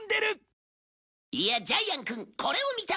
いやジャイアンくんこれを見たまえ。